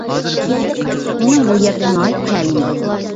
مېنىڭ بۇ يەردە ناھايىتى تەلىيىم بولدى.